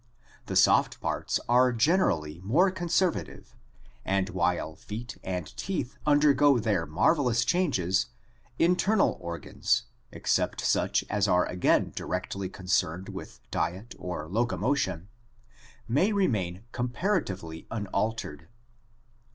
The soft parts are generally more conservative and while feet and teeth undergo their marvelous changes, internal organs, except such as are again directly concerned with diet or locomotion, may remain compar atively unaltered.